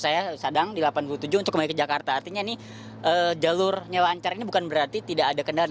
saya sadang di delapan puluh tujuh untuk kembali ke jakarta artinya ini jalur nyewa ancar ini bukan berarti tidak ada kendaraan